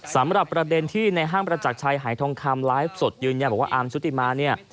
สำหรับประเด็นที่ในห้างประจักรชัยหายทองคำไลฟ์สดยืนยันบอกว่าอาร์มชุติมาเนี่ย